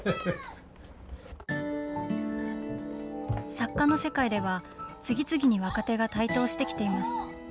作家の世界では、次々に若手が台頭してきています。